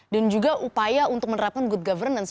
dan juga upaya untuk menerapkan good governance